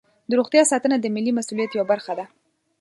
د روغتیا ساتنه د ملي مسؤلیت یوه برخه ده.